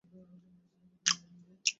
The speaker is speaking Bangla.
যখন বাড়ি ফিরলে ও মারা গিয়েছিল?